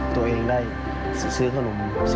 ตัวเองได้ซื้อขนม